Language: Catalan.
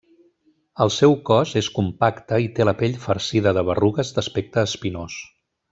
El seu cos és compacte i té la pell farcida de berrugues d'aspecte espinós.